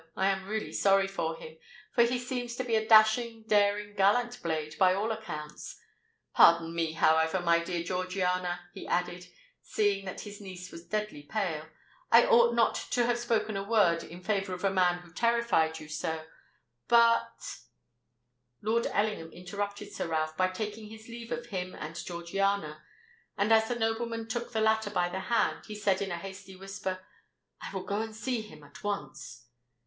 I am really sorry for him—for he seems to be a dashing, daring, gallant blade, by all accounts. Pardon me, however, my dear Georgiana," he added, seeing that his niece was deadly pale; "I ought not to have spoken a word in favour of a man who terrified you so: but——" Lord Ellingham interrupted Sir Ralph by taking his leave of him and Georgiana; and as the nobleman took the latter by the hand, he said in a hasty whisper, "I will go and see him at once!"